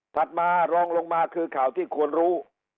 มารองลงมาคือข่าวที่ควรรู้